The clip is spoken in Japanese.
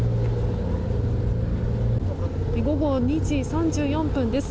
午後２時３４分です。